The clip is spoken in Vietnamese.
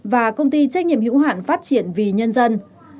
và công ty trách nhiệm hữu hạn phát triển vì nhân dân